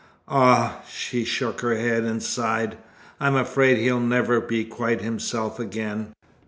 Ah!" she shook her head and sighed "I am afraid he'll never be quite himself again."